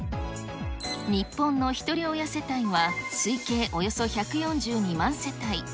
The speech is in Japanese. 日本のひとり親世帯は推計およそ１４２万世帯。